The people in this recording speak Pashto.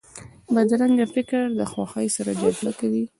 بدرنګه فکر د خوښۍ سره جګړه کوي